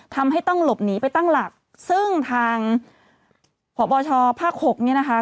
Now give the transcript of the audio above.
ทำให้ต้องหลบหนีไปตั้งหลักซึ่งทางพบชภาค๖เนี่ยนะคะ